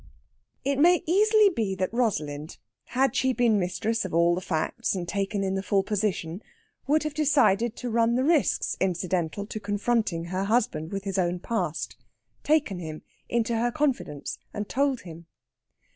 It may easily be that Rosalind, had she been mistress of all the facts and taken in the full position, would have decided to run the risks incidental to confronting her husband with his own past taken him into her confidence and told him.